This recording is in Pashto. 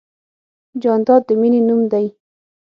جانداد د مینې نوم دی.